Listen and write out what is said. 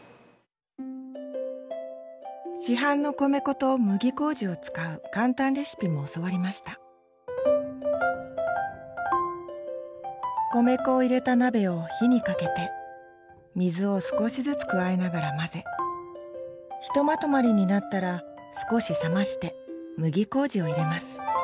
市販の米粉と麦麹を使う簡単レシピも教わりました米粉を入れた鍋を火をかけて水を少しずつ加えながら混ぜひとまとまりになったら少し冷まして麦麹を入れます。